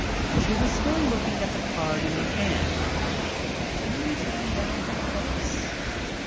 She was still looking at the card in her hand, and the tears ran down her face.